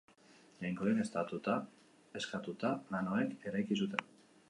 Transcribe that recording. Jainkoek eskatuta nanoek eraiki zuten.